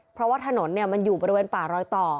เพราะว่าถนนมันอยู่บริเวณป่ารอยต่อ